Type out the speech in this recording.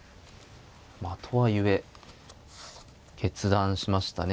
まあとはいえ決断しましたね。